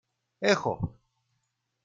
Έχω!